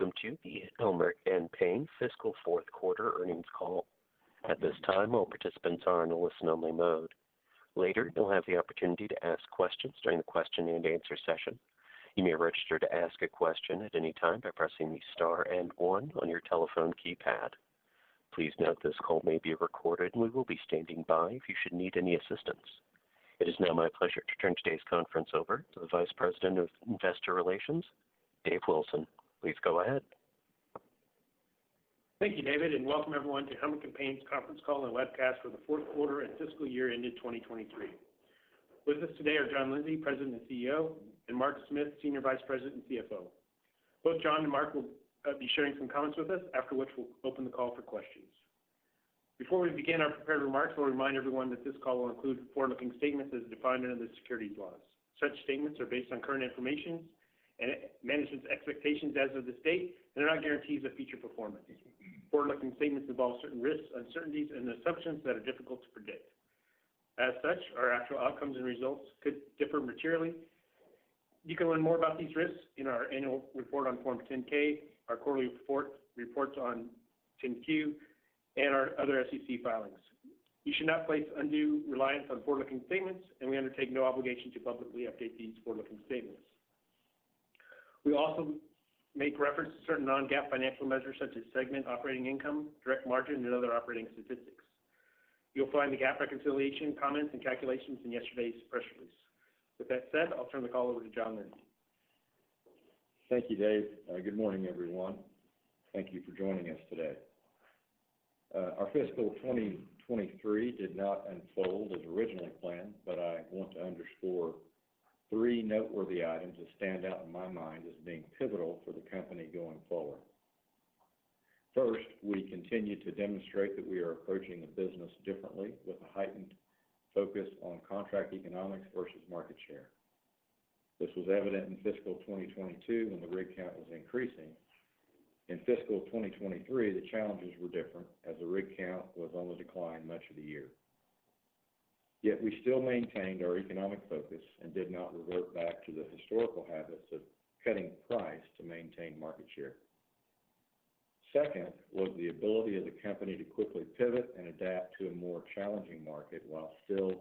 Welcome to the Helmerich & Payne Fiscal Fourth Quarter Earnings Call. At this time, all participants are in a listen-only mode. Later, you'll have the opportunity to ask questions during the question-and-answer session. You may register to ask a question at any time by pressing the star and one on your telephone keypad. Please note, this call may be recorded, and we will be standing by if you should need any assistance. It is now my pleasure to turn today's conference over to the Vice President of Investor Relations, Dave Wilson. Please go ahead. Thank you, David, and welcome everyone to Helmerich & Payne's conference call and webcast for the fourth quarter and fiscal year ended 2023. With us today are John Lindsay, President and CEO, and Mark Smith, Senior Vice President and CFO. Both John and Mark will be sharing some comments with us, after which we'll open the call for questions. Before we begin our prepared remarks, we'll remind everyone that this call will include forward-looking statements as defined under the securities laws. Such statements are based on current information and management's expectations as of this date, and are not guarantees of future performance. Forward-looking statements involve certain risks, uncertainties, and assumptions that are difficult to predict. As such, our actual outcomes and results could differ materially. You can learn more about these risks in our annual report on Form 10-K, our quarterly reports on Form 10-Q, and our other SEC filings. You should not place undue reliance on forward-looking statements, and we undertake no obligation to publicly update these forward-looking statements. We also make reference to certain non-GAAP financial measures, such as segment operating income, direct margin, and other operating statistics. You'll find the GAAP reconciliation, comments, and calculations in yesterday's press release. With that said, I'll turn the call over to John Lindsay. Thank you, Dave. Good morning, everyone. Thank you for joining us today. Our fiscal 2023 did not unfold as originally planned, but I want to underscore three noteworthy items that stand out in my mind as being pivotal for the company going forward. First, we continue to demonstrate that we are approaching the business differently with a heightened focus on contract economics versus market share. This was evident in fiscal 2022, when the rig count was increasing. In fiscal 2023, the challenges were different, as the rig count was on the decline much of the year. Yet we still maintained our economic focus and did not revert back to the historical habits of cutting price to maintain market share. Second, was the ability of the company to quickly pivot and adapt to a more challenging market while still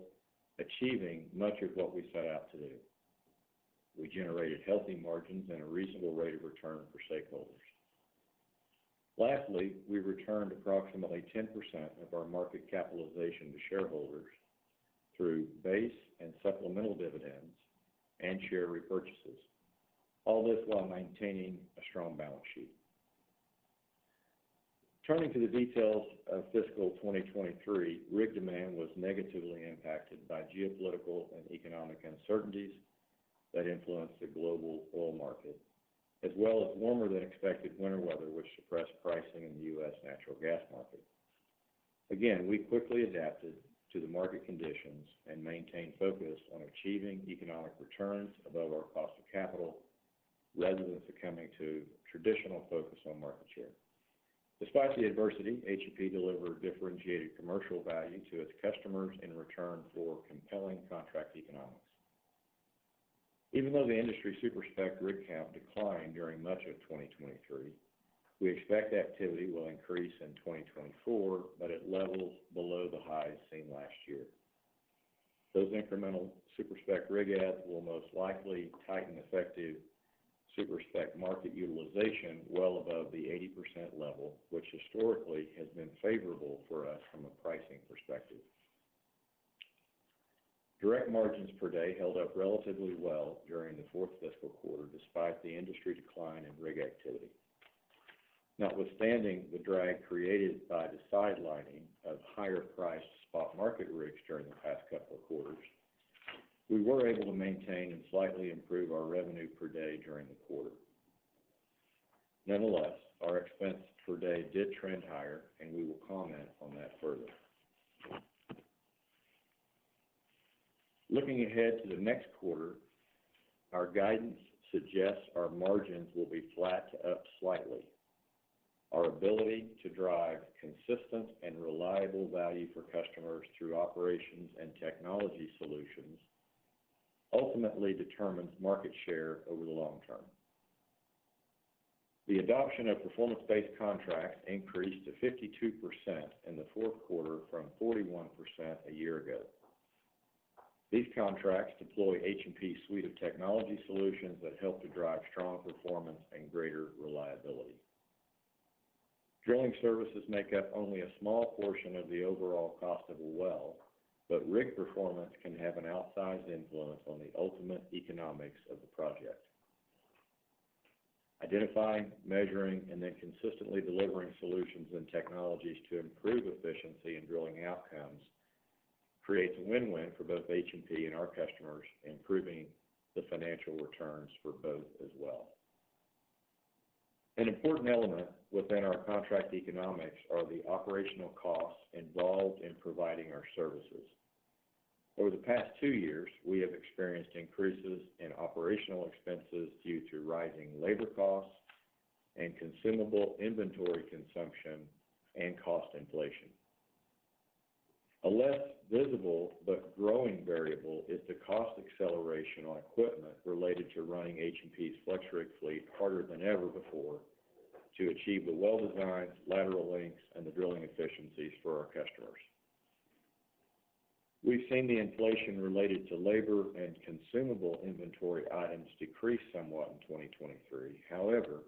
achieving much of what we set out to do. We generated healthy margins and a reasonable rate of return for stakeholders. Lastly, we returned approximately 10% of our market capitalization to shareholders through base and supplemental dividends and share repurchases, all this while maintaining a strong balance sheet. Turning to the details of fiscal 2023, rig demand was negatively impacted by geopolitical and economic uncertainties that influenced the global oil market, as well as warmer than expected winter weather, which suppressed pricing in the U.S. natural gas market. Again, we quickly adapted to the market conditions and maintained focus on achieving economic returns above our cost of capital, rather than succumbing to traditional focus on market share. Despite the adversity, H&P delivered differentiated commercial value to its customers in return for compelling contract economics. Even though the industry super-spec rig count declined during much of 2023, we expect activity will increase in 2024, but at levels below the highs seen last year. Those incremental super-spec rig adds will most likely tighten effective super-spec market utilization well above the 80% level, which historically has been favorable for us from a pricing perspective. Direct margins per day held up relatively well during the fourth fiscal quarter, despite the industry decline in rig activity. Notwithstanding the drag created by the sidelining of higher priced spot market rigs during the past couple of quarters, we were able to maintain and slightly improve our revenue per day during the quarter. Nonetheless, our expense per day did trend higher, and we will comment on that further. Looking ahead to the next quarter, our guidance suggests our margins will be flat to up slightly. Our ability to drive consistent and reliable value for customers through operations and technology solutions ultimately determines market share over the long term. The adoption of performance-based contracts increased to 52% in the fourth quarter, from 41% a year ago. These contracts deploy H&P's suite of technology solutions that help to drive strong performance and greater reliability. Drilling services make up only a small portion of the overall cost of a well, but rig performance can have an outsized influence on the ultimate economics of the project. Identifying, measuring, and then consistently delivering solutions and technologies to improve efficiency and drilling outcomes creates a win-win for both H&P and our customers, improving the financial returns for both as well. An important element within our contract economics are the operational costs involved in providing our services. Over the past two years, we have experienced increases in operational expenses due to rising labor costs and consumable inventory consumption and cost inflation.... A less visible but growing variable is the cost acceleration on equipment related to running H&P's FlexRig fleet harder than ever before to achieve the well designs, lateral lengths, and the drilling efficiencies for our customers. We've seen the inflation related to labor and consumable inventory items decrease somewhat in 2023. However,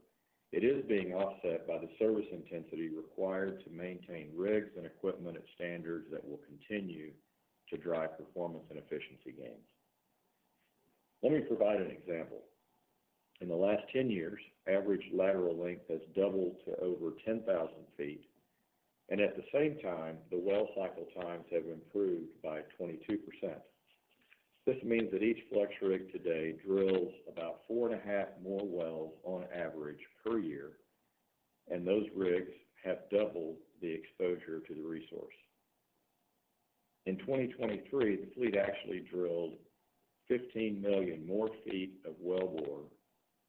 it is being offset by the service intensity required to maintain rigs and equipment at standards that will continue to drive performance and efficiency gains. Let me provide an example. In the last 10 years, average lateral length has doubled to over 10,000 feet, and at the same time, the well cycle times have improved by 22%. This means that each FlexRig today drills about 4.5 more wells on average per year, and those rigs have doubled the exposure to the resource. In 2023, the fleet actually drilled 15 million more feet of wellbore,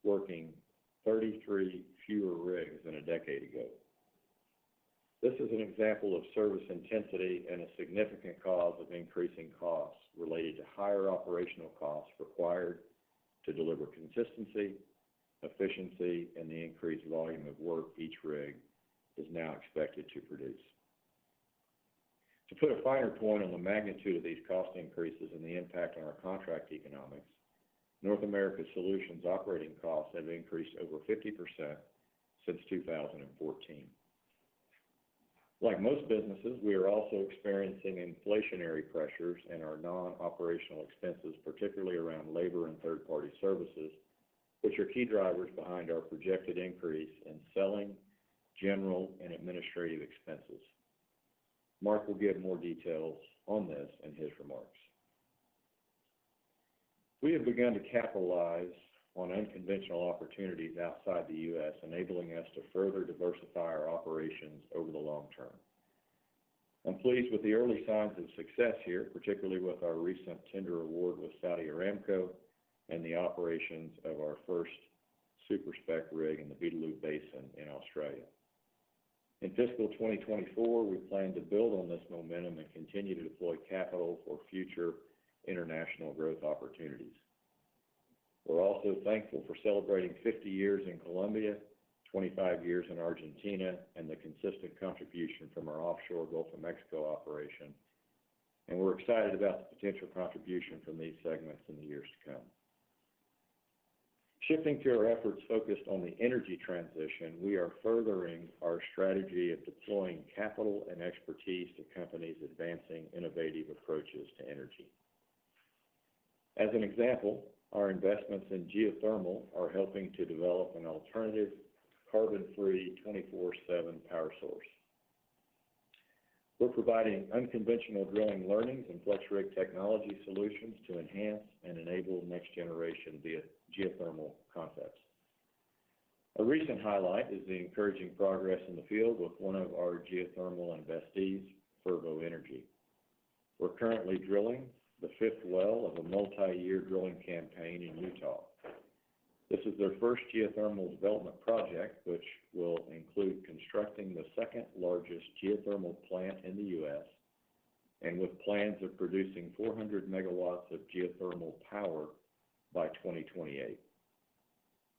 working 33 fewer rigs than a decade ago. This is an example of service intensity and a significant cause of increasing costs related to higher operational costs required to deliver consistency, efficiency, and the increased volume of work each rig is now expected to produce. To put a finer point on the magnitude of these cost increases and the impact on our contract economics, North America Solutions' operating costs have increased over 50% since 2014. Like most businesses, we are also experiencing inflationary pressures in our non-operational expenses, particularly around labor and third-party services, which are key drivers behind our projected increase in selling, general, and administrative expenses. Mark will give more details on this in his remarks. We have begun to capitalize on unconventional opportunities outside the U.S., enabling us to further diversify our operations over the long term. I'm pleased with the early signs of success here, particularly with our recent tender award with Saudi Aramco and the operations of our first super-spec rig in the Beetaloo Basin in Australia. In fiscal 2024, we plan to build on this momentum and continue to deploy capital for future international growth opportunities. We're also thankful for celebrating 50 years in Colombia, 25 years in Argentina, and the consistent contribution from our offshore Gulf of Mexico operation, and we're excited about the potential contribution from these segments in the years to come. Shifting to our efforts focused on the energy transition, we are furthering our strategy of deploying capital and expertise to companies advancing innovative approaches to energy. As an example, our investments in geothermal are helping to develop an alternative, carbon-free, 24/7 power source. We're providing unconventional drilling learnings and FlexRig technology solutions to enhance and enable next-generation geothermal concepts. A recent highlight is the encouraging progress in the field with one of our geothermal investees, Fervo Energy. We're currently drilling the fifth well of a multi-year drilling campaign in Utah. This is their first geothermal development project, which will include constructing the second-largest geothermal plant in the U.S., and with plans of producing 400 megawatts of geothermal power by 2028.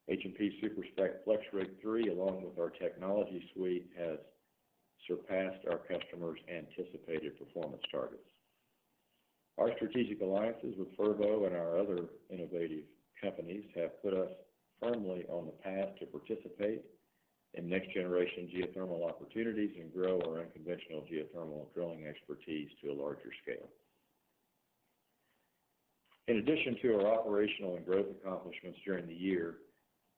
H&P's super-spec FlexRig 3, along with our technology suite, has surpassed our customers' anticipated performance targets. Our strategic alliances with Fervo and our other innovative companies have put us firmly on the path to participate in next-generation geothermal opportunities and grow our unconventional geothermal drilling expertise to a larger scale. In addition to our operational and growth accomplishments during the year,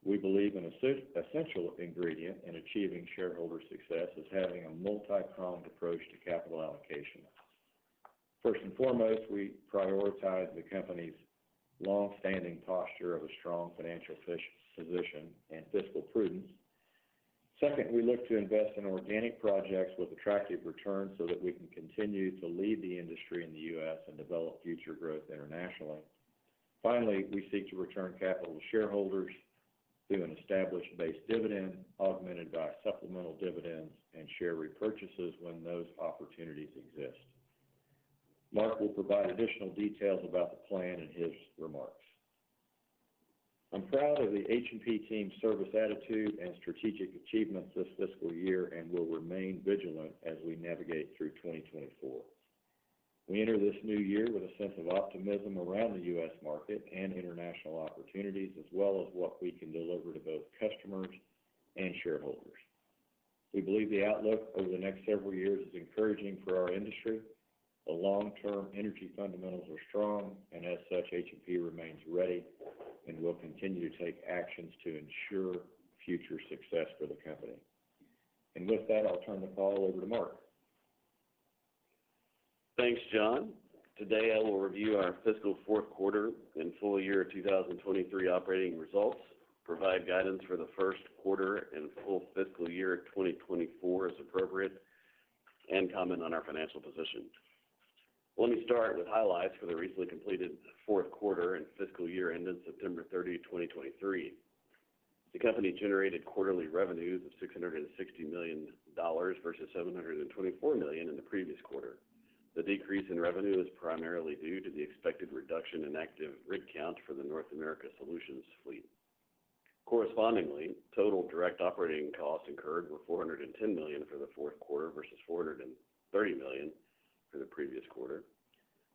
we believe an essential ingredient in achieving shareholder success is having a multi-pronged approach to capital allocation. First and foremost, we prioritize the company's long-standing posture of a strong financial position and fiscal prudence. Second, we look to invest in organic projects with attractive returns so that we can continue to lead the industry in the U.S. and develop future growth internationally. Finally, we seek to return capital to shareholders through an established base dividend, augmented by supplemental dividends and share repurchases when those opportunities exist. Mark will provide additional details about the plan in his remarks. I'm proud of the H&P team's service attitude and strategic achievements this fiscal year, and we'll remain vigilant as we navigate through 2024. We enter this new year with a sense of optimism around the US market and international opportunities, as well as what we can deliver to both customers and shareholders. We believe the outlook over the next several years is encouraging for our industry. The long-term energy fundamentals are strong, and as such, H&P remains ready and will continue to take actions to ensure future success for the company. With that, I'll turn the call over to Mark. Thanks, John. Today, I will review our fiscal fourth quarter and full year 2023 operating results, provide guidance for the first quarter and full fiscal year 2024 as appropriate, and comment on our financial position. Let me start with highlights for the recently completed fourth quarter and fiscal year ended September 30, 2023.... The company generated quarterly revenues of $660 million versus $724 million in the previous quarter. The decrease in revenue is primarily due to the expected reduction in active rig counts for the North America Solutions fleet. Correspondingly, total direct operating costs incurred were $410 million for the fourth quarter versus $430 million for the previous quarter.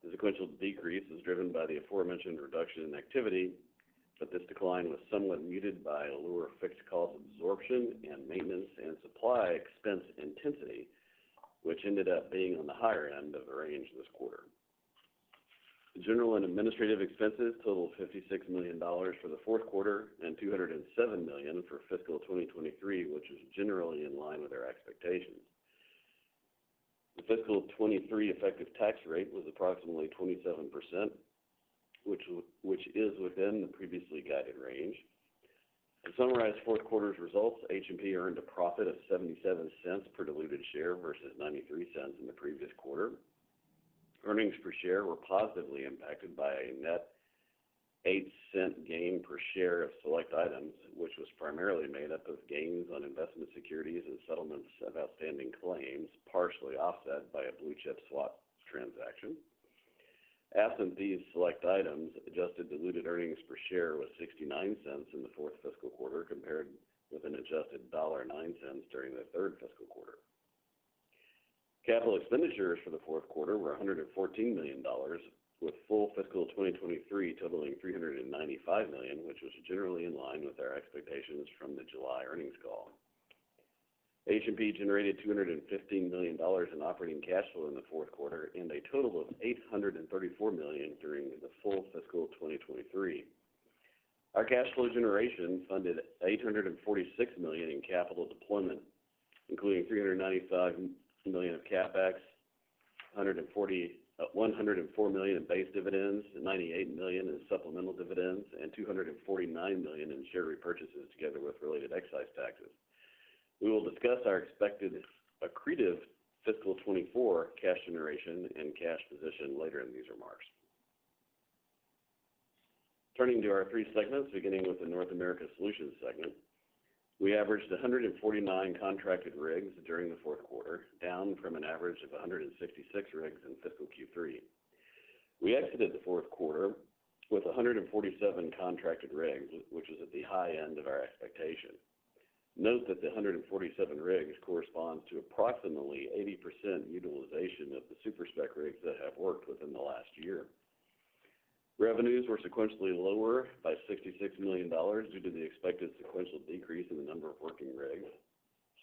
The sequential decrease is driven by the aforementioned reduction in activity, but this decline was somewhat muted by a lower fixed cost absorption and maintenance and supply expense intensity, which ended up being on the higher end of the range this quarter. The general and administrative expenses totaled $56 million for the fourth quarter and $207 million for fiscal 2023, which is generally in line with our expectations. The fiscal 2023 effective tax rate was approximately 27%, which is within the previously guided range. To summarize fourth quarter's results, H&P earned a profit of $0.77 per diluted share versus $0.93 in the previous quarter. Earnings per share were positively impacted by a net $0.08 gain per share of select items, which was primarily made up of gains on investment securities and settlements of outstanding claims, partially offset by a blue chip swap transaction. Absent these select items, adjusted diluted earnings per share was $0.69 in the fourth fiscal quarter, compared with an adjusted $1.09 during the third fiscal quarter. Capital expenditures for the fourth quarter were $114 million, with full fiscal 2023 totaling $395 million, which was generally in line with our expectations from the July earnings call. H&P generated $215 million in operating cash flow in the fourth quarter and a total of $834 million during the full fiscal 2023. Our cash flow generation funded $846 million in capital deployment, including $395 million of CapEx, one hundred and four million in base dividends, and $98 million in supplemental dividends, and $249 million in share repurchases, together with related excise taxes. We will discuss our expected accretive fiscal 2024 cash generation and cash position later in these remarks. Turning to our three segments, beginning with the North America Solutions segment. We averaged 149 contracted rigs during the fourth quarter, down from an average of 166 rigs in fiscal Q3. We exited the fourth quarter with 147 contracted rigs, which is at the high end of our expectation. Note that the 147 rigs corresponds to approximately 80% utilization of the super-spec rigs that have worked within the last year. Revenues were sequentially lower by $66 million due to the expected sequential decrease in the number of working rigs.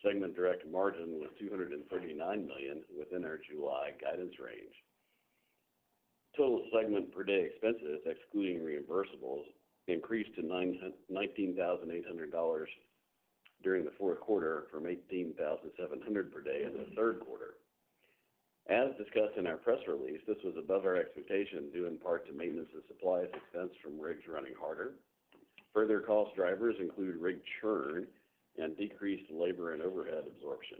Segment direct margin was $239 million, within our July guidance range. Total segment per day expenses, excluding reimbursables, increased to $19,800 during the fourth quarter from $18,700 per day in the third quarter. As discussed in our press release, this was above our expectation, due in part to maintenance and supplies expense from rigs running harder. Further cost drivers include rig churn and decreased labor and overhead absorption.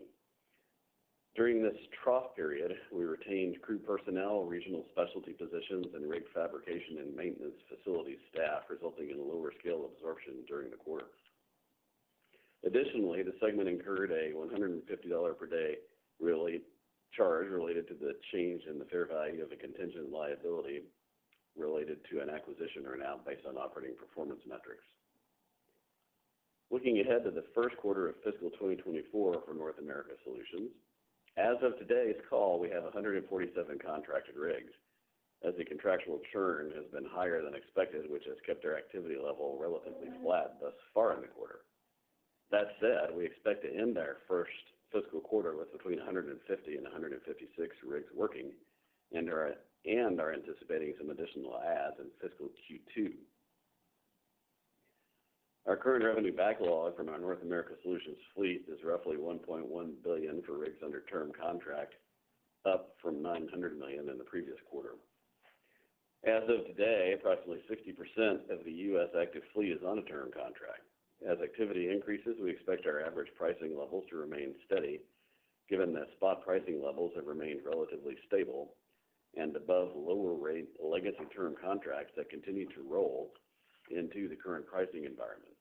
During this trough period, we retained crew personnel, regional specialty positions, and rig fabrication and maintenance facility staff, resulting in lower scale absorption during the quarter. Additionally, the segment incurred a $150 per day real charge related to the change in the fair value of a contingent liability related to an acquisition earnout based on operating performance metrics. Looking ahead to the first quarter of fiscal 2024 for North America Solutions. As of today's call, we have 147 contracted rigs, as the contractual churn has been higher than expected, which has kept our activity level relatively flat thus far in the quarter. That said, we expect to end our first fiscal quarter with between 150 and 156 rigs working, and are anticipating some additional adds in fiscal Q2. Our current revenue backlog from our North America Solutions fleet is roughly $1.1 billion for rigs under term contract, up from $900 million in the previous quarter. As of today, approximately 60% of the U.S. active fleet is on a term contract. As activity increases, we expect our average pricing levels to remain steady, given that spot pricing levels have remained relatively stable and above lower rate legacy term contracts that continue to roll into the current pricing environment.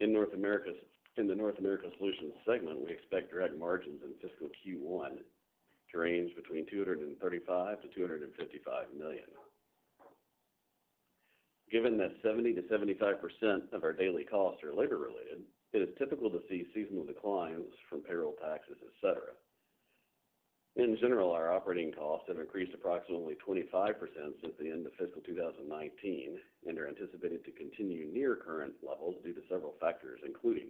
In the North America Solutions segment, we expect direct margins in fiscal Q1 to range between $235 million to $255 million. Given that 70%-75% of our daily costs are labor related, it is typical to see seasonal declines from payroll taxes, et cetera. In general, our operating costs have increased approximately 25% since the end of fiscal 2019, and are anticipated to continue near current levels due to several factors, including: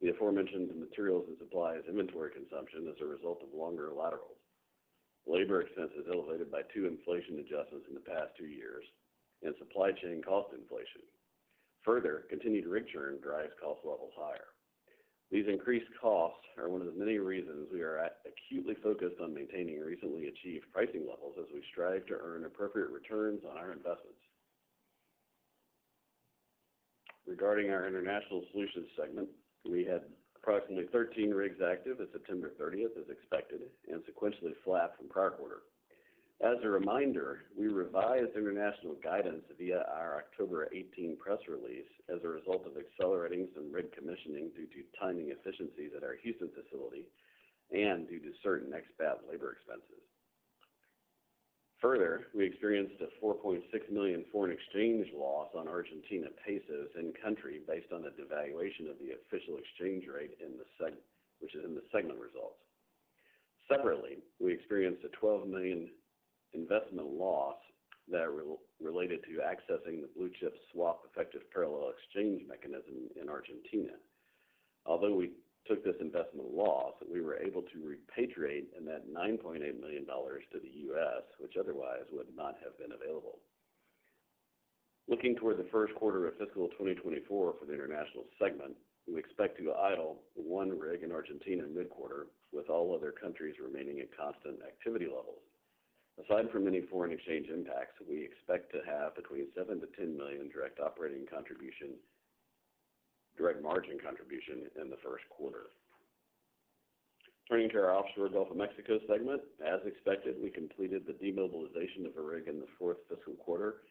the aforementioned materials and supplies, inventory consumption as a result of longer laterals, labor expenses elevated by two inflation adjustments in the past two years, and supply chain cost inflation. Further, continued rig churn drives cost levels higher. These increased costs are one of the many reasons we are acutely focused on maintaining recently achieved pricing levels, as we strive to earn appropriate returns on our investments. Regarding our International Solutions segment, we had approximately 13 rigs active at September 30, as expected, and sequentially flat from prior quarter. As a reminder, we revised international guidance via our October 18 press release as a result of accelerating some rig commissioning due to timing efficiencies at our Houston facility and due to certain expat labor expenses. Further, we experienced a $4.6 million foreign exchange loss on Argentine pesos in country, based on the devaluation of the official exchange rate in the segment, which is in the segment results. Separately, we experienced a $12 million investment loss that related to accessing the blue chip swap effective parallel exchange mechanism in Argentina. Although we took this investment loss, we were able to repatriate $9.8 million to the U.S., which otherwise would not have been available. Looking toward the first quarter of fiscal 2024 for the international segment, we expect to idle one rig in Argentina mid-quarter, with all other countries remaining at constant activity levels. Aside from any foreign exchange impacts, we expect to have between $7-$10 million in direct operating contribution, direct margin contribution in the first quarter. Turning to our Offshore Gulf of Mexico segment, as expected, we completed the demobilization of a rig in the fourth fiscal quarter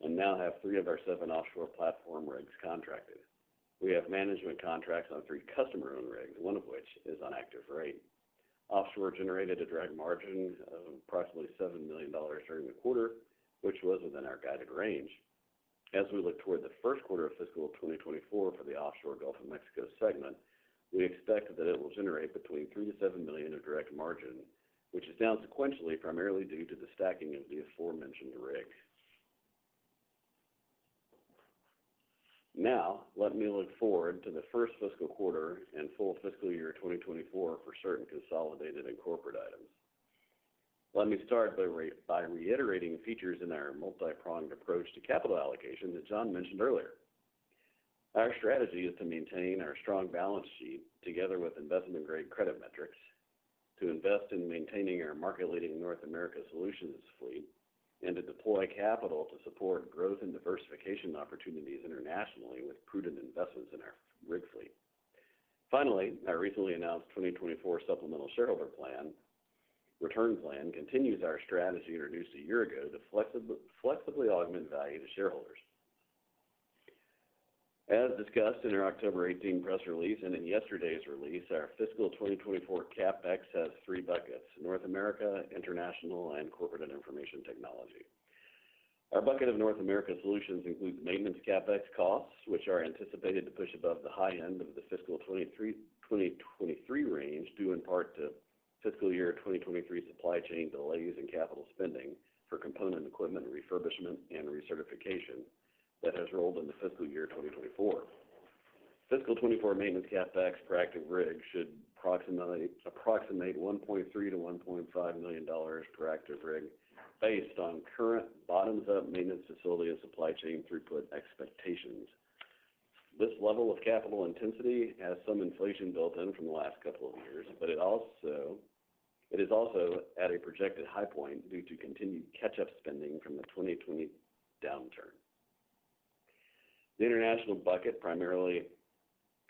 and now have three of our seven offshore platform rigs contracted. We have management contracts on three customer-owned rigs, one of which is on active rate. Offshore generated a direct margin of approximately $7 million during the quarter, which was within our guided range. As we look toward the first quarter of fiscal 2024 for the Offshore Gulf of Mexico segment, we expect that it will generate between $3 million-$7 million of direct margin, which is down sequentially, primarily due to the stacking of the aforementioned rig. Now, let me look forward to the first fiscal quarter and full fiscal year 2024 for certain consolidated and corporate items. Let me start by by reiterating features in our multi-pronged approach to capital allocation that John mentioned earlier. Our strategy is to maintain our strong balance sheet, together with investment-grade credit metrics, to invest in maintaining our market-leading North America solutions fleet, and to deploy capital to support growth and diversification opportunities internationally with prudent investments in our rig fleet. Finally, our recently announced 2024 supplemental shareholder plan, return plan continues our strategy introduced a year ago to flexibly augment value to shareholders. As discussed in our October 18 press release and in yesterday's release, our fiscal 2024 CapEx has three buckets: North America, International, and Corporate and Information Technology. Our bucket of North America solutions includes maintenance CapEx costs, which are anticipated to push above the high end of the fiscal 2023, 2023 range, due in part to fiscal year 2023 supply chain delays and capital spending for component equipment refurbishment and recertification that has rolled into fiscal year 2024. Fiscal 2024 maintenance CapEx per active rig should approximate $1.3 million-$1.5 million per active rig, based on current bottoms-up maintenance facility and supply chain throughput expectations. This level of capital intensity has some inflation built in from the last couple of years, but it also, it is also at a projected high point due to continued catch-up spending from the 2020 downturn. The international bucket primarily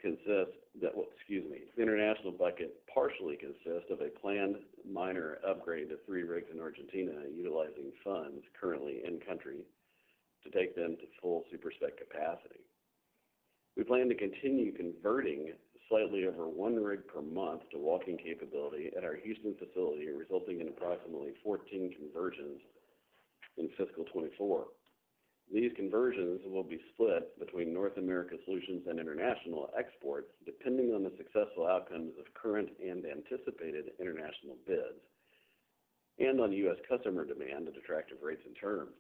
consists... Well, excuse me. The international bucket partially consists of a planned minor upgrade to three rigs in Argentina, utilizing funds currently in country to take them to full super-spec capacity. We plan to continue converting slightly over one rig per month to walking capability at our Houston facility, resulting in approximately 14 conversions in fiscal 2024. These conversions will be split between North America solutions and international exports, depending on the successful outcomes of current and anticipated international bids, and on US customer demand at attractive rates and terms.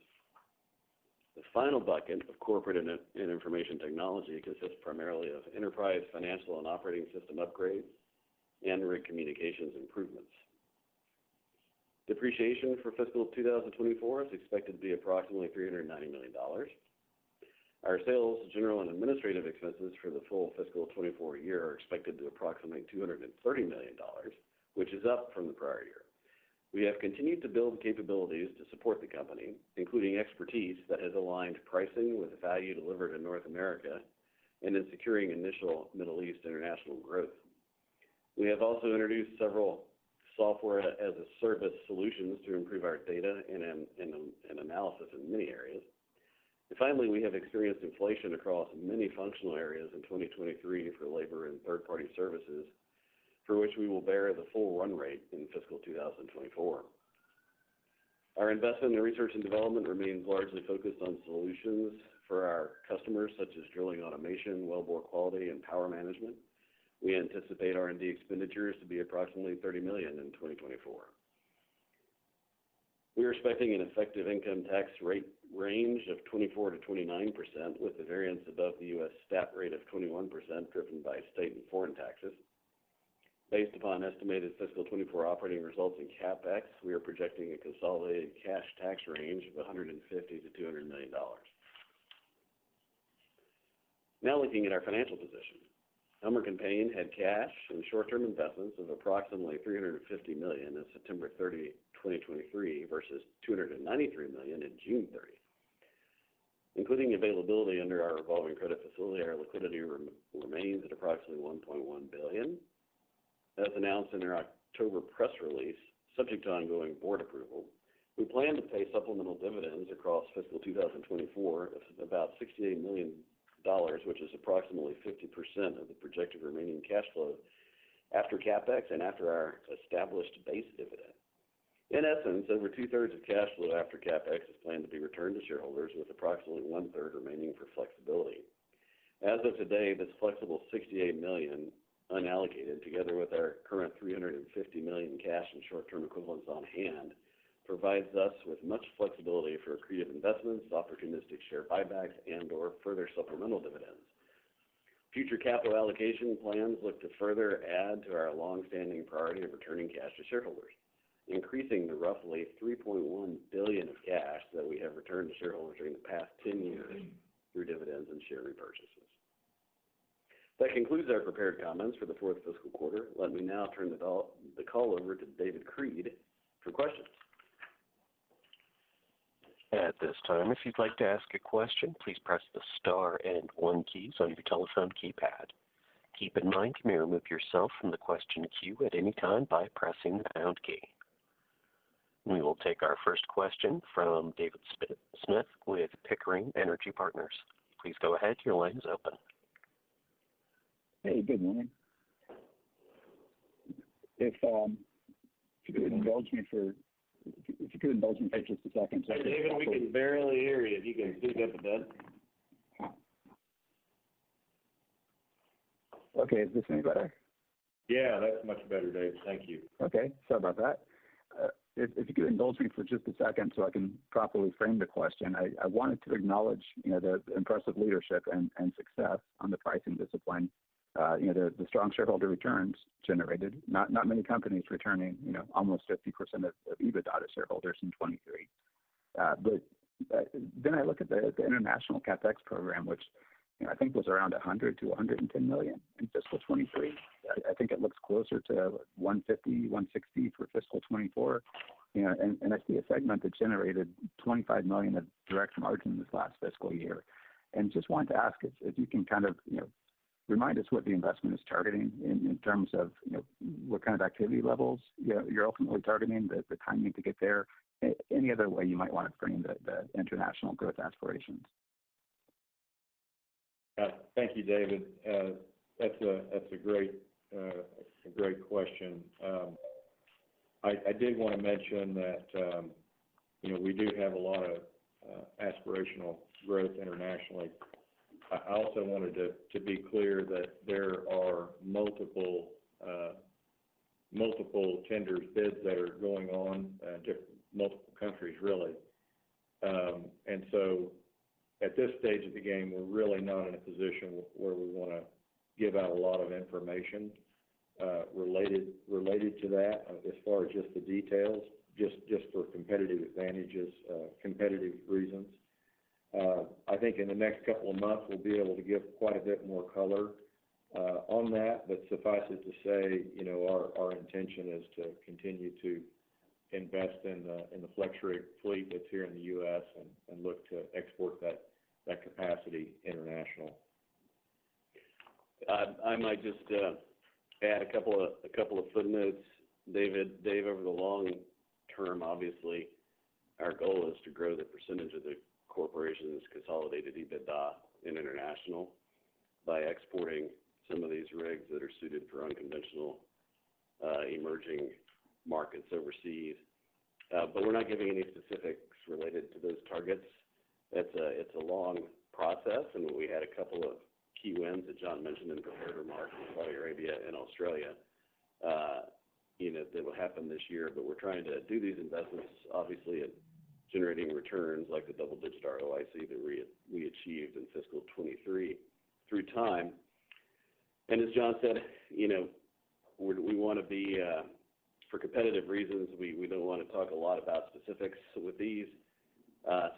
The final bucket of corporate and information technology consists primarily of enterprise, financial, and operating system upgrades and rig communications improvements. Depreciation for fiscal 2024 is expected to be approximately $390 million. Our sales, general, and administrative expenses for the full fiscal 2024 year are expected to be approximately $230 million, which is up from the prior year. We have continued to build capabilities to support the company, including expertise that has aligned pricing with the value delivered in North America and in securing initial Middle East international growth. We have also introduced several software as a service solutions to improve our data and analysis in many areas. Finally, we have experienced inflation across many functional areas in 2023 for labor and third-party services, for which we will bear the full run rate in fiscal 2024. Our investment in research and development remains largely focused on solutions for our customers, such as drilling automation, wellbore quality, and power management. We anticipate R&D expenditures to be approximately $30 million in 2024. We are expecting an effective income tax rate range of 24%-29%, with the variance above the US statutory rate of 21%, driven by state and foreign taxes. Based upon estimated fiscal 2024 operating results in CapEx, we are projecting a consolidated cash tax range of $150 million-$200 million. Now, looking at our financial position. Helmerich & Payne had cash and short-term investments of approximately $350 million on September 30, 2023, versus $293 million on June 30, including availability under our revolving credit facility, our liquidity remains at approximately $1.1 billion. As announced in our October press release, subject to ongoing board approval, we plan to pay supplemental dividends across fiscal 2024 of about $68 million, which is approximately 50% of the projected remaining cash flow after CapEx and after our established base dividend. In essence, over two-thirds of cash flow after CapEx is planned to be returned to shareholders, with approximately one-third remaining for flexibility. As of today, this flexible $68 million unallocated, together with our current $350 million cash and short-term equivalents on hand, provides us with much flexibility for accretive investments, opportunistic share buybacks, and/or further supplemental dividends. Future capital allocation plans look to further add to our long-standing priority of returning cash to shareholders, increasing the roughly $3.1 billion of cash that we have returned to shareholders during the past 10 years through dividends and share repurchases. That concludes our prepared comments for the fourth fiscal quarter. Let me now turn the call over to David Creed for questions. At this time, if you'd like to ask a question, please press the star and one key on your telephone keypad. Keep in mind, you may remove yourself from the question queue at any time by pressing the pound key. We will take our first question from David Smith with Pickering Energy Partners. Please go ahead. Your line is open. Hey, good morning. If you could indulge me for just a second so I can- Hey, David, we can barely hear you. If you can speak up a bit. Okay, is this any better? Yeah, that's much better, David. Thank you. Okay. Sorry about that. If you could indulge me for just a second so I can properly frame the question. I wanted to acknowledge, you know, the impressive leadership and success on the pricing discipline. You know, the strong shareholder returns generated. Not many companies returning, you know, almost 50% of EBITDA to shareholders in 2023. But then I look at the international CapEx program, which, you know, I think was around $100 million-$110 million in fiscal 2023. I think it looks closer to $150 million-$160 million for fiscal 2024, you know, and that'd be a segment that generated $25 million of direct margin this last fiscal year. Just wanted to ask if you can kind of, you know, remind us what the investment is targeting in terms of, you know, what kind of activity levels you're ultimately targeting, the timing to get there, any other way you might want to frame the international growth aspirations? Thank you, David. That's a great question. I did want to mention that, you know, we do have a lot of aspirational growth internationally. I also wanted to be clear that there are multiple tender bids that are going on to multiple countries, really. And so at this stage of the game, we're really not in a position where we want to give out a lot of information related to that as far as just the details, just for competitive advantages, competitive reasons. I think in the next couple of months, we'll be able to give quite a bit more color on that. But suffice it to say, you know, our intention is to continue to invest in the FlexRig fleet that's here in the U.S. and look to export that capacity international. I might just add a couple of footnotes, David. David, over the long term, obviously, our goal is to grow the percentage of the corporation's consolidated EBITDA in international by exporting some of these rigs that are suited for unconventional emerging markets overseas. But we're not giving any specifics related to those targets. It's a long process, and we had a couple of key wins that John mentioned in prepared remarks in Saudi Arabia and Australia, you know, that will happen this year. But we're trying to do these investments, obviously, at generating returns like the double-digit ROIC that we achieved in fiscal 2023 through time. And as John said, you know, we want to be. For competitive reasons, we don't want to talk a lot about specifics with these.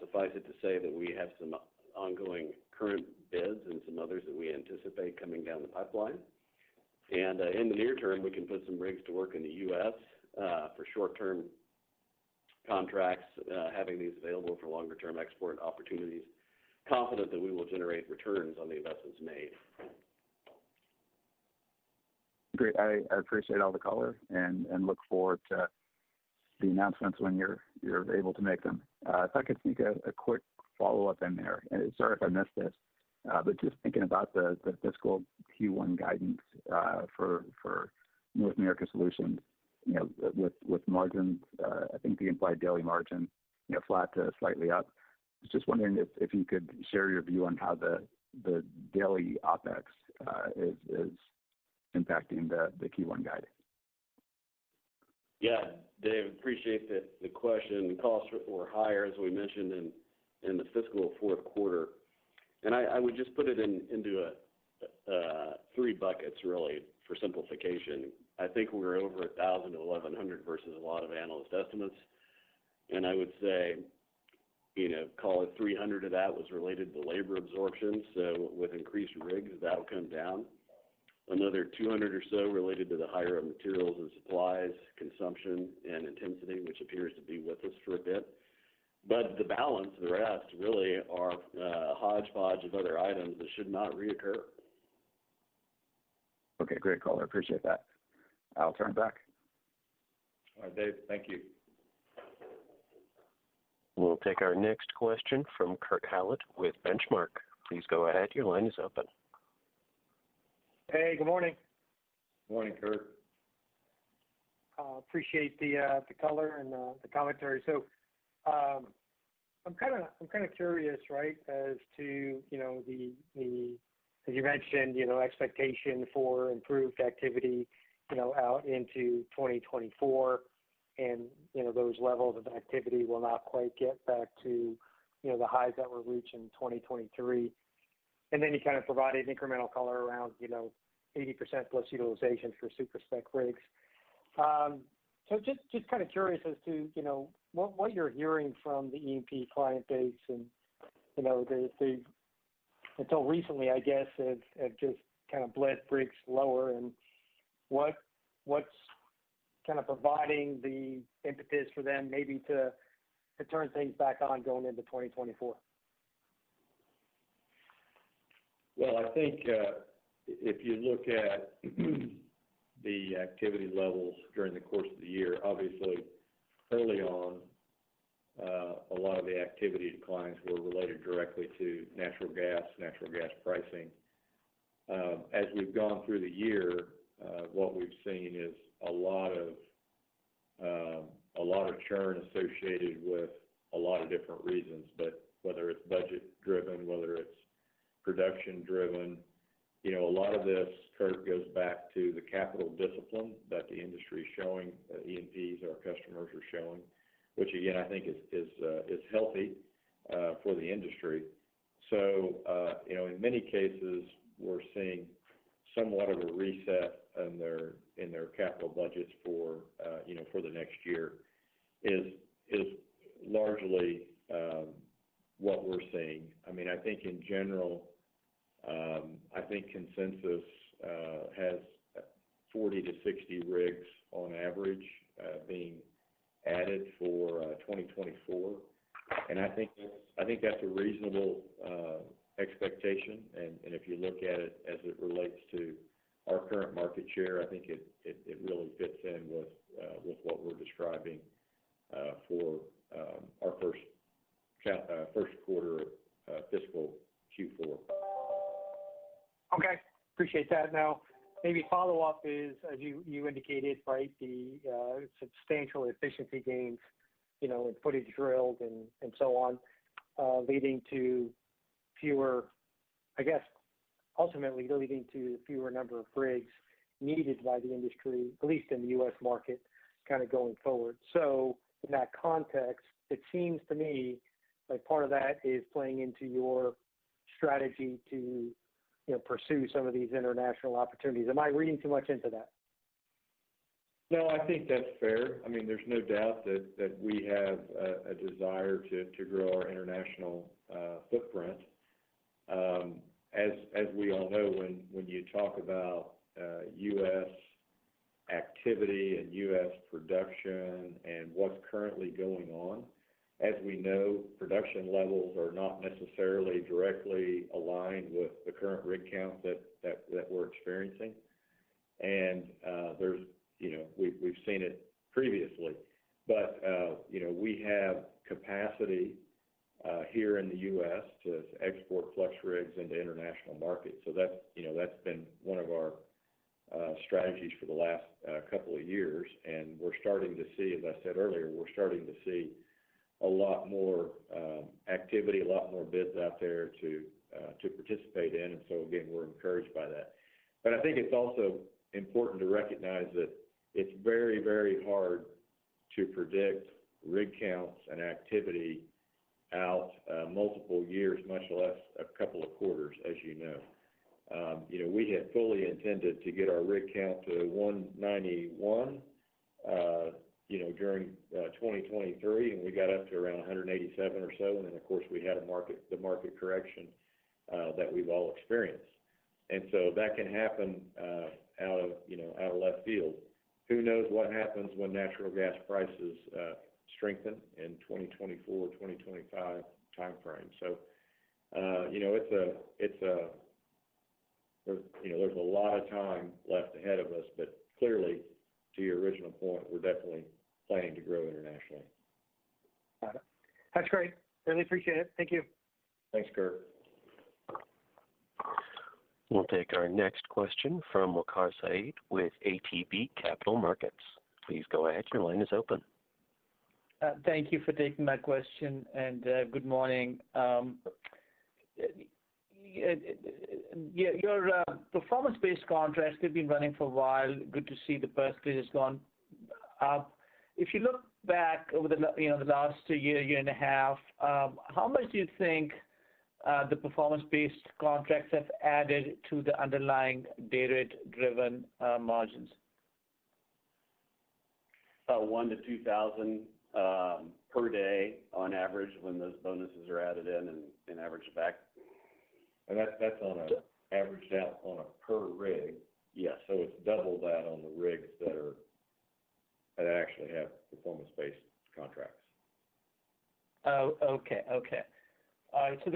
Suffice it to say that we have some ongoing current bids and some others that we anticipate coming down the pipeline. And, in the near term, we can put some rigs to work in the U.S., for short-term contracts, having these available for longer-term export opportunities, confident that we will generate returns on the investments made. Great. I appreciate all the color and look forward to the announcements when you're able to make them. If I could sneak a quick follow-up in there, and sorry if I missed this, but just thinking about the fiscal Q1 guidance for North America Solutions, you know, with margins, I think the implied daily margin, you know, flat to slightly up. I was just wondering if you could share your view on how the daily OpEx is impacting the Q1 guidance. Yeah, David, appreciate the question. Costs were higher, as we mentioned in the fiscal fourth quarter, and I would just put it into three buckets really for simplification. I think we were over 1,000-1,100 versus a lot of analyst estimates, and I would say, you know, call it 300 of that was related to labor absorption. So with increased rigs, that'll come down.... another 200 or so related to the higher materials and supplies, consumption, and intensity, which appears to be with us for a bit. But the balance, the rest really are, hodgepodge of other items that should not reoccur. Okay, great color. I appreciate that. I'll turn it back. All right, David. Thank you. We'll take our next question from Kurt Hallead with Benchmark. Please go ahead. Your line is open. Hey, good morning. Morning, Kirk. Appreciate the color and the commentary. So, I'm kinda curious, right, as to, you know, as you mentioned, you know, expectation for improved activity, you know, out into 2024, and, you know, those levels of activity will not quite get back to, you know, the highs that were reached in 2023. And then you kind of provided incremental color around, you know, 80%+ utilization for Super-spec rigs. Just kind of curious as to, you know, what you're hearing from the E&P client base, and, you know, the... Until recently, I guess, it just kind of bled rigs lower, and what's kind of providing the impetus for them maybe to turn things back on going into 2024? Well, I think, if you look at the activity levels during the course of the year, obviously, early on, a lot of the activity declines were related directly to natural gas, natural gas pricing. As we've gone through the year, what we've seen is a lot of, a lot of churn associated with a lot of different reasons. But whether it's budget driven, whether it's production driven, you know, a lot of this, Kirk, goes back to the capital discipline that the industry is showing, the E&Ps, our customers are showing, which, again, I think is healthy, for the industry. So, you know, in many cases, we're seeing somewhat of a reset in their, in their capital budgets for, you know, for the next year, is largely what we're seeing. I mean, I think in general, I think consensus has 40-60 rigs on average being added for 2024. And I think, I think that's a reasonable expectation. And, and if you look at it as it relates to our current market share, I think it, it, it really fits in with, with what we're describing for our first count, first quarter, fiscal Q4. Okay. Appreciate that. Now, maybe a follow-up is, as you indicated, right, the substantial efficiency gains, you know, in footage drilled and so on, leading to fewer... I guess, ultimately leading to fewer number of rigs needed by the industry, at least in the U.S. market, kind of going forward. So in that context, it seems to me like part of that is playing into your strategy to, you know, pursue some of these international opportunities. Am I reading too much into that? No, I think that's fair. I mean, there's no doubt that we have a desire to grow our international footprint. As we all know, when you talk about U.S. activity and U.S. production and what's currently going on, as we know, production levels are not necessarily directly aligned with the current rig count that we're experiencing. And, you know, we've seen it previously, but, you know, we have capacity here in the U.S. to export FlexRigs into international markets. So that's, you know, that's been one of our strategies for the last couple of years, and we're starting to see, as I said earlier, we're starting to see a lot more activity, a lot more bids out there to participate in. And so again, we're encouraged by that. But I think it's also important to recognize that it's very, very hard to predict rig counts and activity out multiple years, much less a couple of quarters, as you know. You know, we had fully intended to get our rig count to 191, you know, during 2023, and we got up to around 187 or so, and then, of course, we had a market—the market correction that we've all experienced. And so that can happen, out of, you know, out of left field. Who knows what happens when natural gas prices strengthen in 2024 or 2025 time frame? So, you know, it's a, it's a... There's, you know, there's a lot of time left ahead of us, but clearly, to your original point, we're definitely planning to grow internationally. Got it. That's great. Really appreciate it. Thank you. Thanks, Kirk. We'll take our next question from Waqar Syed with ATB Capital Markets. Please go ahead. Your line is open. Thank you for taking my question, and good morning. Yeah, your performance-based contracts have been running for a while. Good to see the birthplace has gone up. If you look back over the last year, year and a half, how much do you think the performance-based contracts have added to the underlying dayrate-driven margins?... about $1,000-$2,000 per day on average when those bonuses are added in and averaged back. And that's on an averaged out on a per rig? Yes. So it's double that on the rigs that actually have performance-based contracts. Oh, okay. Okay. So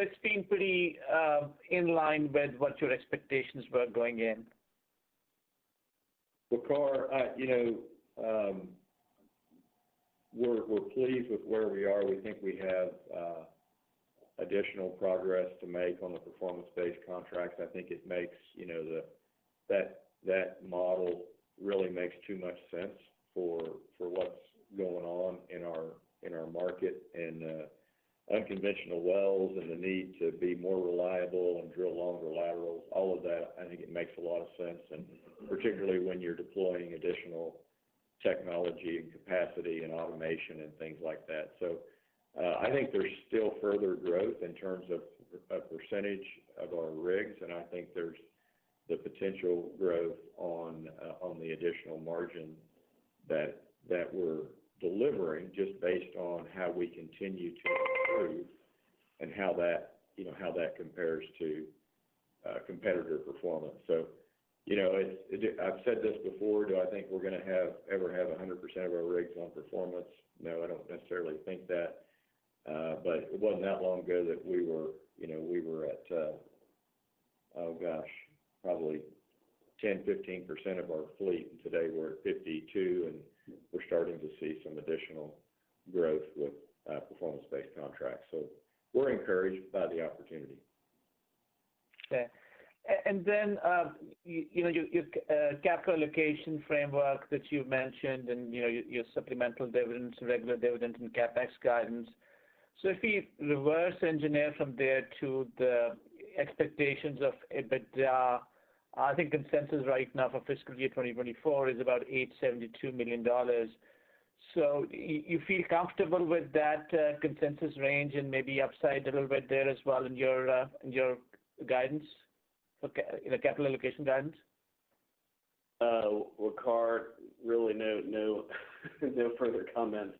it's been pretty in line with what your expectations were going in? Well, Waqar, you know, we're pleased with where we are. We think we have additional progress to make on the performance-based contracts. I think it makes, you know, that model really makes too much sense for what's going on in our market, and unconventional wells and the need to be more reliable and drill longer laterals, all of that, I think it makes a lot of sense, and particularly when you're deploying additional technology and capacity and automation and things like that. So, I think there's still further growth in terms of percentage of our rigs, and I think there's the potential growth on the additional margin that we're delivering, just based on how we continue to improve and how that compares to competitor performance. So, you know, it's. I've said this before, do I think we're gonna have ever have 100% of our rigs on performance? No, I don't necessarily think that. But it wasn't that long ago that we were, you know, we were at, oh, gosh, probably 10, 15% of our fleet, and today we're at 52, and we're starting to see some additional growth with performance-based contracts. So we're encouraged by the opportunity. Okay. And then, you know, your capital allocation framework that you mentioned and, you know, your supplemental dividends, regular dividends, and CapEx guidance. So if we reverse engineer from there to the expectations of EBITDA, I think consensus right now for fiscal year 2024 is about $872 million. So you feel comfortable with that consensus range and maybe upside a little bit there as well in your guidance, okay, the capital allocation guidance? Well, Kirk, really, no, no, no further comment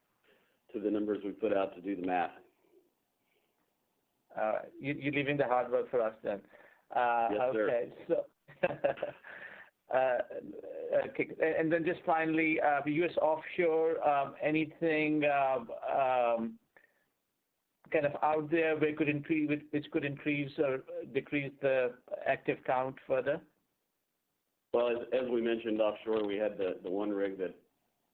to the numbers we put out to do the math. You're leaving the hard work for us then. Yes, sir. Okay. So, okay. And then just finally, the US offshore, anything kind of out there which could increase or decrease the active count further? Well, as we mentioned, offshore, we had the one rig that-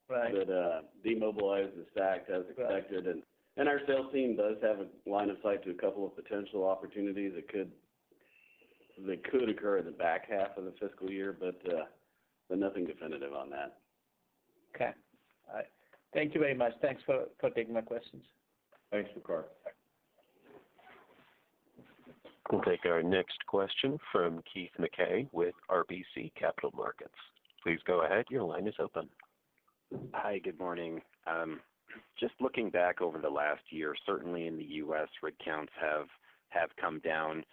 Right... that, demobilized and stacked as expected. Got it. And our sales team does have a line of sight to a couple of potential opportunities that could occur in the back half of the fiscal year, but nothing definitive on that. Okay. Thank you very much. Thanks for taking my questions. Thanks, Kurt. Okay. We'll take our next question from Keith Mackey with RBC Capital Markets. Please go ahead. Your line is open. Hi, good morning. Just looking back over the last year, certainly in the U.S., rig counts have come down.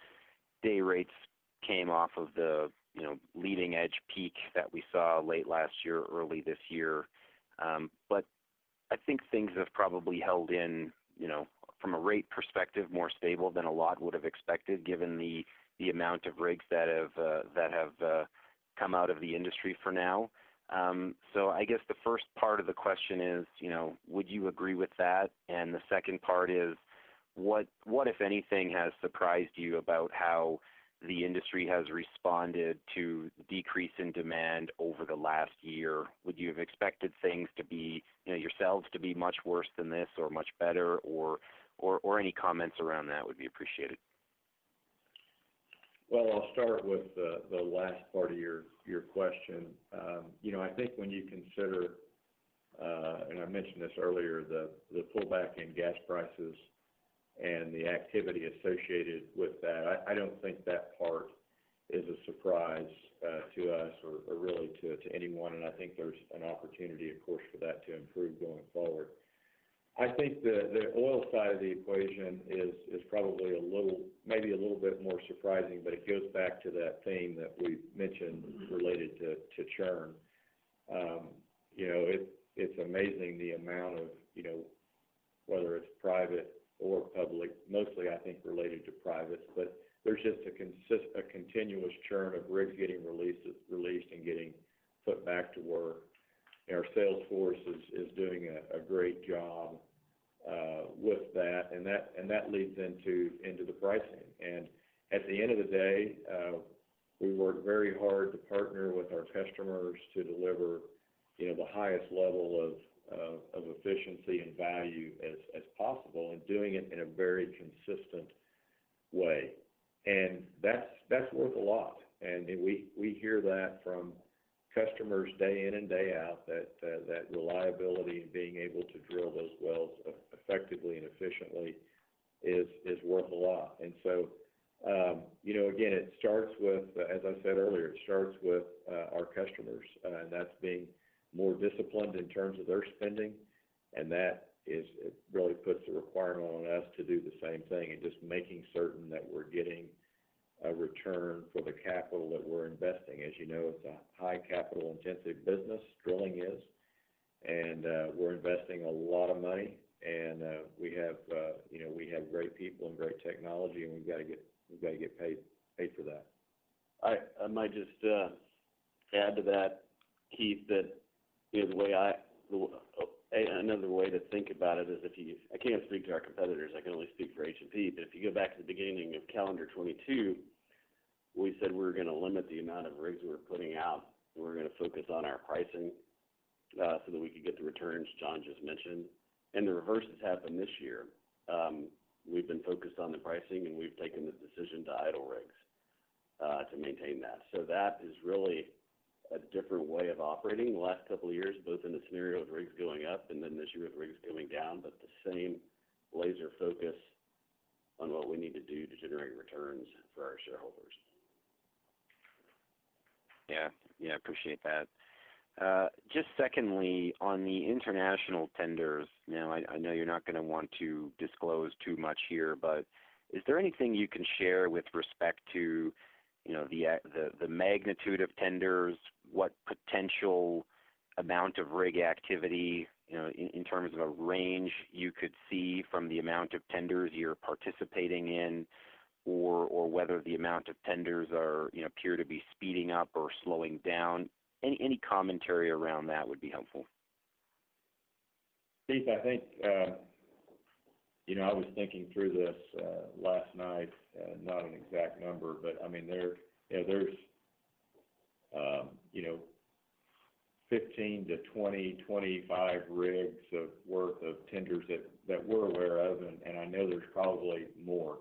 Day rates came off of the, you know, leading-edge peak that we saw late last year, early this year. But I think things have probably held in, you know, from a rate perspective, more stable than a lot would have expected, given the amount of rigs that have come out of the industry for now. So I guess the first part of the question is, you know, would you agree with that? The second part is, what, if anything, has surprised you about how the industry has responded to the decrease in demand over the last year? Would you have expected things to be, you know, yourselves to be much worse than this or much better, or any comments around that would be appreciated? Well, I'll start with the last part of your question. You know, I think when you consider, and I mentioned this earlier, the pullback in gas prices and the activity associated with that, I don't think that part is a surprise to us or really to anyone, and I think there's an opportunity, of course, for that to improve going forward. I think the oil side of the equation is probably a little, maybe a little bit more surprising, but it goes back to that theme that we mentioned related to churn. You know, it's amazing the amount of, you know, whether it's private or public, mostly, I think, related to private, but there's just a continuous churn of rigs getting released and getting put back to work. Our sales force is doing a great job with that, and that leads into the pricing. And at the end of the day, we work very hard to partner with our customers to deliver, you know, the highest level of efficiency and value as possible, and doing it in a very consistent way. And that's worth a lot. And we hear that from customers day in and day out, that reliability and being able to drill those wells effectively and efficiently is worth a lot. And so, you know, again, it starts with, as I said earlier, it starts with, our customers, and that's being more disciplined in terms of their spending, and that is it really puts the requirement on us to do the same thing and just making certain that we're getting a return for the capital that we're investing. As you know, it's a high capital-intensive business, drilling is, and, we're investing a lot of money. And, we have, you know, we have great people and great technology, and we've gotta get, we've gotta get paid, paid for that. I might just add to that, Keith, you know, another way to think about it is, I can't speak to our competitors. I can only speak for H&P. But if you go back to the beginning of calendar 2022, we said we were gonna limit the amount of rigs we were putting out, and we're gonna focus on our pricing so that we could get the returns John just mentioned. And the reverse has happened this year. We've been focused on the pricing, and we've taken the decision to idle rigs to maintain that. So that is really a different way of operating the last couple of years, both in the scenario of rigs going up and then this year with rigs going down, but the same laser focus on what we need to do to generate returns for our shareholders. Yeah. Yeah, appreciate that. Just secondly, on the international tenders, now, I know you're not gonna want to disclose too much here, but is there anything you can share with respect to, you know, the magnitude of tenders? What potential amount of rig activity, you know, in terms of a range you could see from the amount of tenders you're participating in, or whether the amount of tenders, you know, appear to be speeding up or slowing down? Any commentary around that would be helpful. Keith, I think, you know, I was thinking through this last night, not an exact number, but I mean, there, you know, there's, you know, 15 to 20, 25 rigs worth of tenders that we're aware of, and I know there's probably more.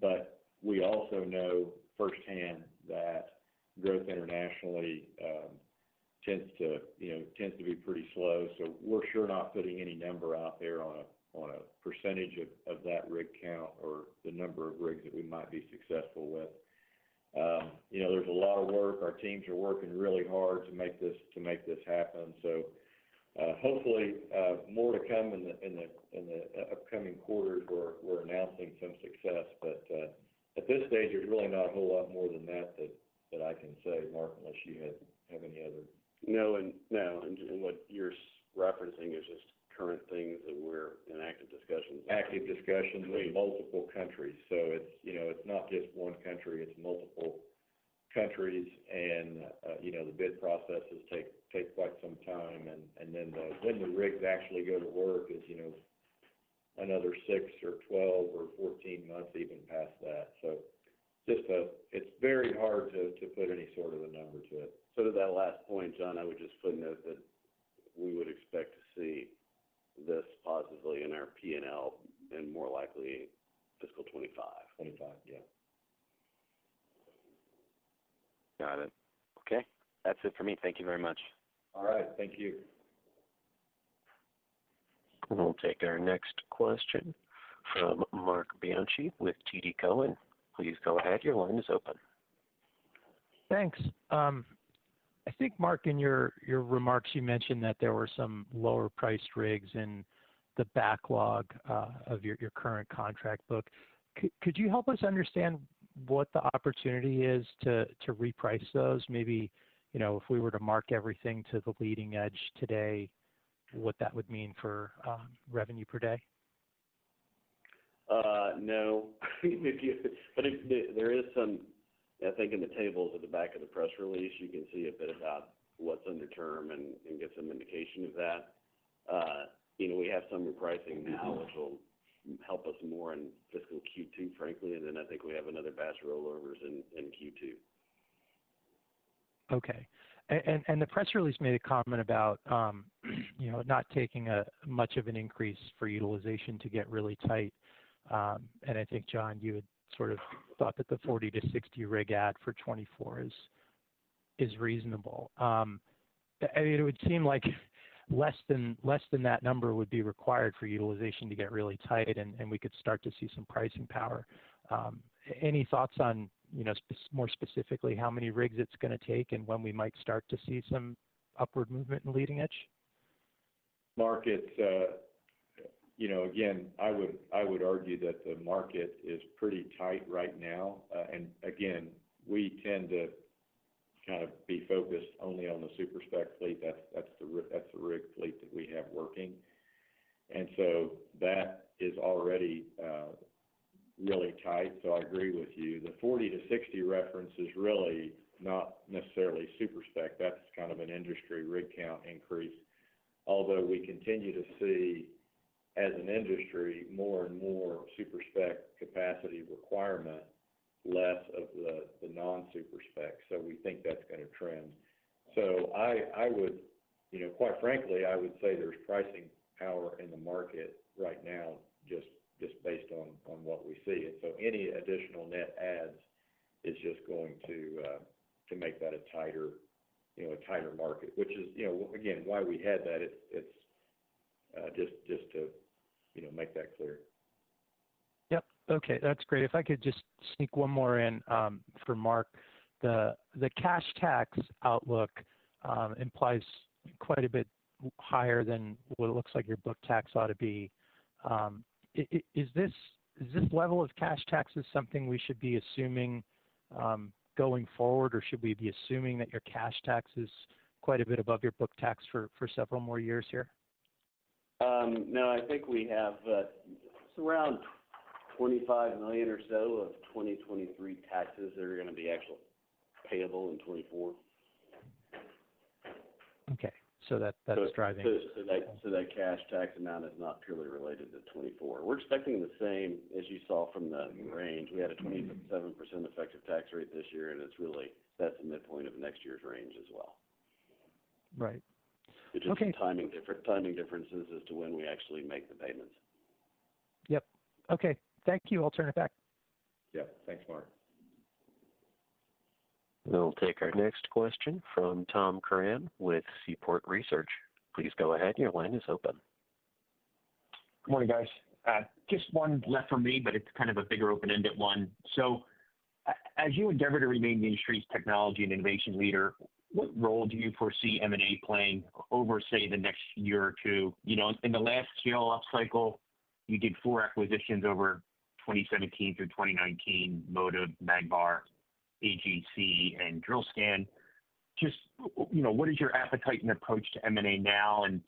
But we also know firsthand that growth internationally tends to you know be pretty slow. So we're sure not putting any number out there on a percentage of that rig count or the number of rigs that we might be successful with. You know, there's a lot of work. Our teams are working really hard to make this, to make this happen. So, hopefully, more to come in the upcoming quarters where we're announcing some success. But at this stage, there's really not a whole lot more than that that I can say. Mark, unless you have any other? No, and no. And what you're referencing is just current things that we're in active discussions with. Active discussions with multiple countries. So it's, you know, it's not just one country, it's multiple countries. And, you know, the bid processes take quite some time, and then when the rigs actually go to work is, you know, another six or 12 or 14 months even past that. So just... It's very hard to put any sort of a number to it. So to that last point, John, I would just footnote that we would expect to see this positively in our P&L, in more likely fiscal 2025. '2025, yeah. Got it. Okay, that's it for me. Thank you very much. All right, thank you. We'll take our next question from Marc Bianchi with TD Cowen. Please go ahead, your line is open. Thanks. I think, Mark, in your remarks, you mentioned that there were some lower priced rigs in the backlog of your current contract book. Could you help us understand what the opportunity is to reprice those? Maybe, you know, if we were to mark everything to the leading edge today, what that would mean for revenue per day? No. But if there is some... I think in the tables at the back of the press release, you can see a bit about what's under term and get some indication of that. You know, we have some repricing now, which will help us more in fiscal Q2, frankly, and then I think we have another batch of rollovers in Q2. Okay. The press release made a comment about, you know, not taking much of an increase for utilization to get really tight. And I think, John, you had sort of thought that the 40-60 rig add for 2024 is reasonable. It would seem like less than that number would be required for utilization to get really tight, and we could start to see some pricing power. Any thoughts on, you know, specifically, how many rigs it's gonna take and when we might start to see some upward movement in leading edge? Marc, it's, you know, again, I would, I would argue that the market is pretty tight right now. And again, we tend to kind of be focused only on the super-spec fleet. That's, that's the rig fleet that we have working, and so that is already, really tight. So I agree with you. The 40-60 reference is really not necessarily super-spec. That's kind of an industry rig count increase. Although we continue to see, as an industry, more and more super-spec capacity requirement, less of the, the non-super-spec, so we think that's gonna trend. So I, I would, you know, quite frankly, I would say there's pricing power in the market right now, just, just based on, on what we see. So any additional net adds is just going to make that a tighter, you know, a tighter market. Which is, you know, again, why we had that. It's just to, you know, make that clear. Yep. Okay, that's great. If I could just sneak one more in, for Mark. The cash tax outlook implies-... quite a bit higher than what it looks like your book tax ought to be. Is this level of cash taxes something we should be assuming going forward, or should we be assuming that your cash tax is quite a bit above your book tax for several more years here? No, I think we have it's around $25 million or so of 2023 taxes that are gonna be actually payable in 2024. Okay. So that, that's driving. So that cash tax amount is not purely related to 2024. We're expecting the same as you saw from the range. Mm-hmm. We had a 27% effective tax rate this year, and it's really - that's the midpoint of next year's range as well. Right. Okay. It's just some timing differences as to when we actually make the payments. Yep. Okay. Thank you. I'll turn it back. Yeah, thanks, Mark. We'll take our next question from Tom Curran with Seaport Research. Please go ahead. Your line is open. Good morning, guys. Just one left for me, but it's kind of a bigger open-ended one. So as you endeavor to remain the industry's technology and innovation leader, what role do you foresee M&A playing over, say, the next year or two? You know, in the last scale-up cycle, you did four acquisitions over 2017 through 2019: Motive, MagVar, AJC, and DrillScan. Just, you know, what is your appetite and approach to M&A now, and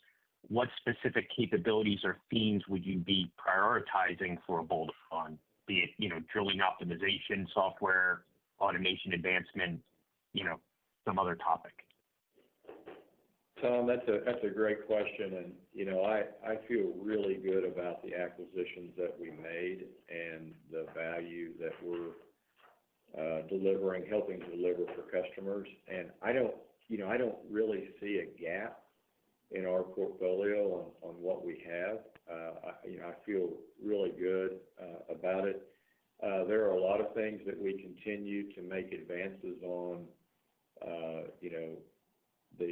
what specific capabilities or themes would you be prioritizing for a bolt-on, be it, you know, drilling optimization, software, automation, advancement, you know, some other topic? Tom, that's a great question, and, you know, I feel really good about the acquisitions that we made and the value that we're delivering—helping to deliver for customers. And I don't, you know, really see a gap in our portfolio on what we have. You know, I feel really good about it. There are a lot of things that we continue to make advances on. You know,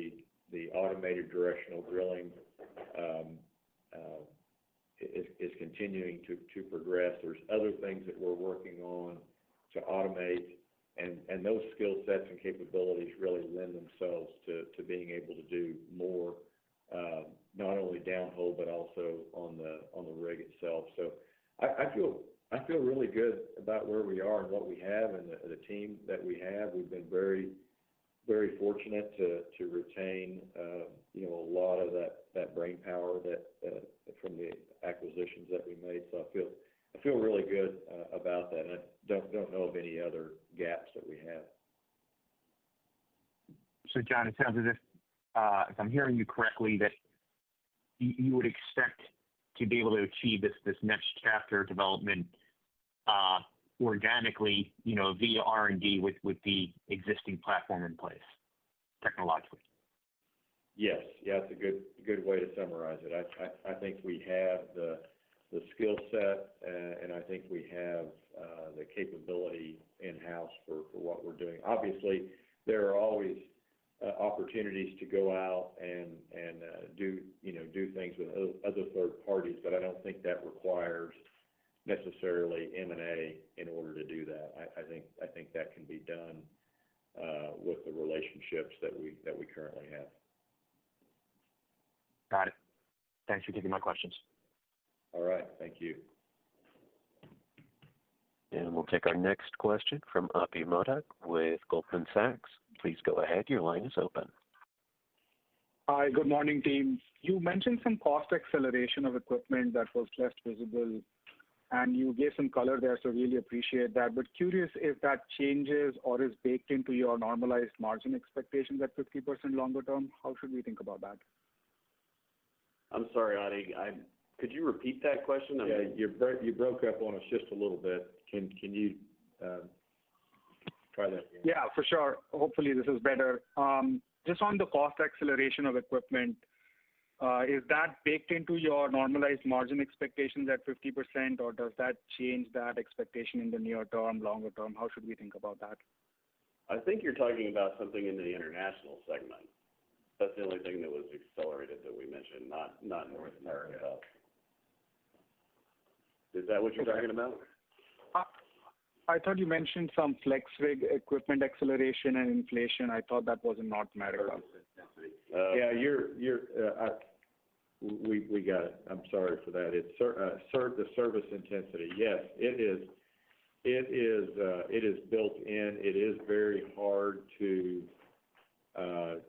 the automated directional drilling is continuing to progress. There's other things that we're working on to automate, and those skill sets and capabilities really lend themselves to being able to do more, not only downhole, but also on the rig itself. So I feel really good about where we are and what we have and the team that we have. We've been very fortunate to retain, you know, a lot of that brainpower from the acquisitions that we made. So I feel really good about that, and I don't know of any other gaps that we have. So, John, it sounds as if, if I'm hearing you correctly, that you, you would expect to be able to achieve this, this next chapter of development, organically, you know, via R&D, with, with the existing platform in place, technologically? Yes. Yeah, it's a good, good way to summarize it. I think we have the skill set, and I think we have the capability in-house for what we're doing. Obviously, there are always opportunities to go out and do, you know, do things with other third parties, but I don't think that requires necessarily M&A in order to do that. I think that can be done with the relationships that we currently have. Got it. Thanks for taking my questions. All right. Thank you. We'll take our next question from Ati Modak with Goldman Sachs. Please go ahead. Your line is open. Hi, good morning, team. You mentioned some cost acceleration of equipment that was less visible, and you gave some color there, so really appreciate that. But curious if that changes or is baked into your normalized margin expectations at 50% longer term, how should we think about that? I'm sorry, Atidrip. Could you repeat that question? Yeah, you broke up on us just a little bit. Can you try that again? Yeah, for sure. Hopefully, this is better. Just on the cost acceleration of equipment, is that baked into your normalized margin expectations at 50%, or does that change that expectation in the near term, longer term? How should we think about that? I think you're talking about something in the international segment. That's the only thing that was accelerated that we mentioned, not, not North America. Is that what you're talking about? I thought you mentioned some FlexRig equipment acceleration and inflation. I thought that was in North America. Service intensity. Yeah, we got it. I'm sorry for that. It's service intensity. Yes, it is. It is built in. It is very hard to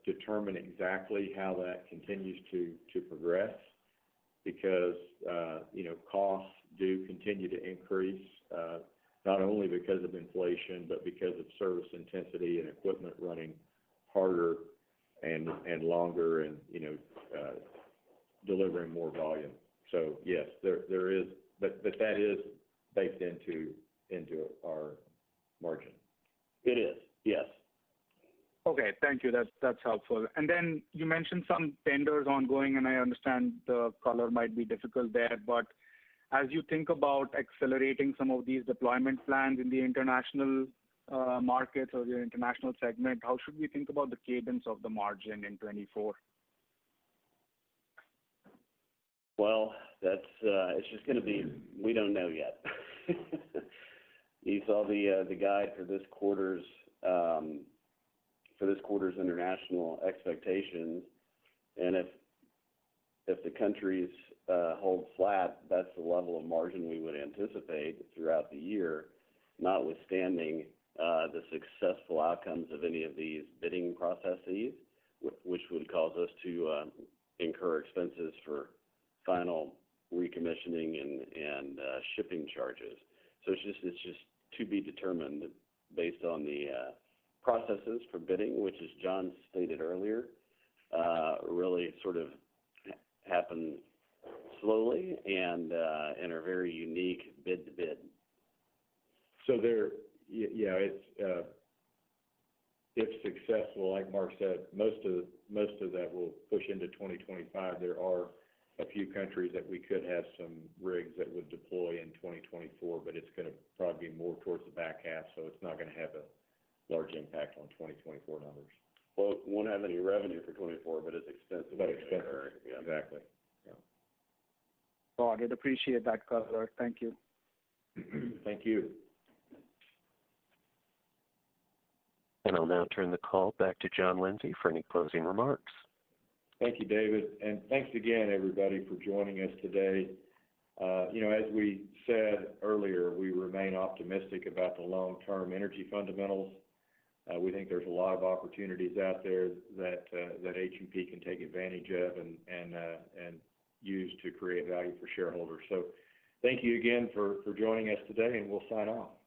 determine exactly how that continues to progress because, you know, costs do continue to increase, not only because of inflation, but because of service intensity and equipment running harder and longer and, you know, delivering more volume. So yes, there is... But that is baked into our margin. It is, yes. Okay. Thank you. That's, that's helpful. And then you mentioned some tenders ongoing, and I understand the color might be difficult there, but as you think about accelerating some of these deployment plans in the international markets or your international segment, how should we think about the cadence of the margin in 2024? Well, that's. It's just gonna be, we don't know yet. You saw the guide for this quarter's international expectations, and if the countries hold flat, that's the level of margin we would anticipate throughout the year, notwithstanding the successful outcomes of any of these bidding processes, which would cause us to incur expenses for final recommissioning and shipping charges. So it's just to be determined based on the processes for bidding, which, as John stated earlier, really sort of happen slowly and are very unique bid to bid. So, if successful, like Mark said, most of that will push into 2025. There are a few countries that we could have some rigs that would deploy in 2024, but it's gonna probably be more towards the back half, so it's not gonna have a large impact on 2024 numbers. Well, it won't have any revenue for 2024, but it's expense- But expense. Yeah, exactly. Yeah. Well, I did appreciate that color. Thank you. Thank you. I'll now turn the call back to John Lindsay for any closing remarks. Thank you, David. Thanks again, everybody, for joining us today. You know, as we said earlier, we remain optimistic about the long-term energy fundamentals. We think there's a lot of opportunities out there that H&P can take advantage of and use to create value for shareholders. Thank you again for joining us today, and we'll sign off.